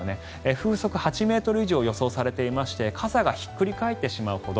風速８ｍ以上が予想されていまして傘がひっくり返ってしまうほど。